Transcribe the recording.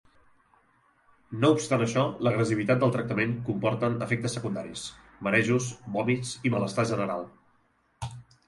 No obstant això, l'agressivitat del tractament comporten efectes secundaris: marejos, vòmits, i malestar general.